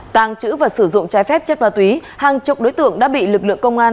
tàng trữ và sử dụng trái phép chất ma túy hàng chục đối tượng đã bị lực lượng công an